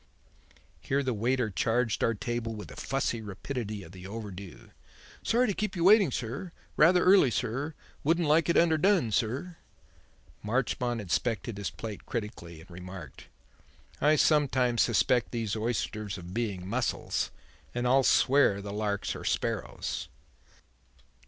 Here the waiter charged our table with the fussy rapidity of the overdue. "Sorry to keep you waiting, sir. Rather early, sir. Wouldn't like it underdone, sir." Marchmont inspected his plate critically and remarked: "I sometimes suspect these oysters of being mussels; and I'll swear the larks are sparrows."